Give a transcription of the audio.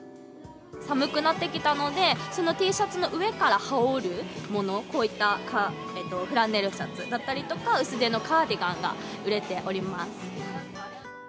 寒くなってきたので、そのＴシャツの上から羽織るもの、こういったフランネルシャツだったりとか、薄手のカーディガンが売れております。